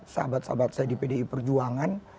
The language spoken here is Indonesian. sahabat sahabat saya di pdi perjuangan